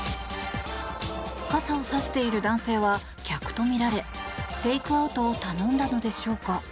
傘を差している男性は客とみられテイクアウトを頼んだのでしょうか。